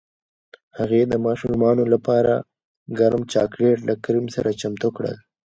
هغې د ماشومانو لپاره ګرم چاکلیټ له کریم سره چمتو کړل